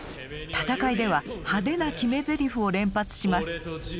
戦いでは派手な決めゼリフを連発します。